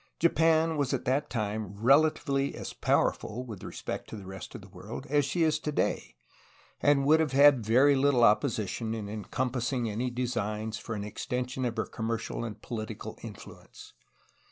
Japan was at that time relatively as powerful with respect to the rest of the world as she is today, and would have had very little opposition in compassing any designs for an extension of her commercial and political influence.